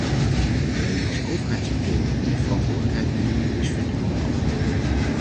Alleen als overheidssectoren meer verantwoordelijkheid nemen is vernieuwing mogelijk.